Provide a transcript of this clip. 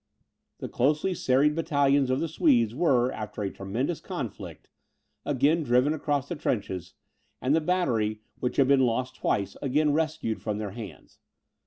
The closely serried battalions of the Swedes were, after a tremendous conflict, again driven across the trenches; and the battery, which had been twice lost, again rescued from their hands.